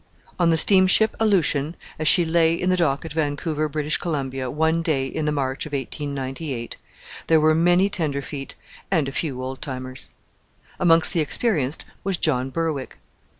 On the steamship Aleutian, as she lay in the dock at Vancouver, British Columbia, one day in the March of 1898, there were many tenderfeet and a few old timers. Amongst the experienced was John Berwick.